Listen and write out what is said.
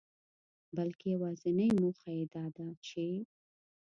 بلکي يوازنۍ موخه يې داده چي